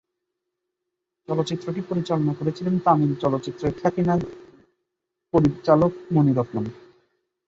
চলচ্চিত্রটি পরিচালনা করেছিলেন তামিল চলচ্চিত্রের খ্যাতিমান পরিচালক মণি রত্নম।